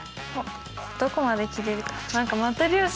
どこまで切れるか。